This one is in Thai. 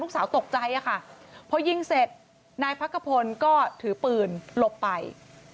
สาวตกใจค่ะพอยิงเสร็จนายพักขพลก็ถือปืนหลบไป